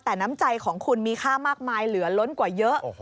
แต่น้ำใจของคุณมีค่ามากมายเหลือล้นกว่าเยอะ